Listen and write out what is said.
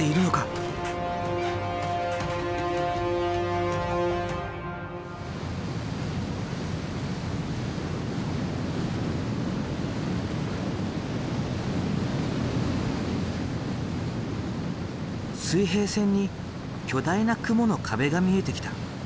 水平線に巨大な雲の壁が見えてきた。